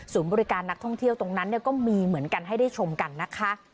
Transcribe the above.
บริการนักท่องเที่ยวตรงนั้นก็มีเหมือนกันให้ได้ชมกันนะคะ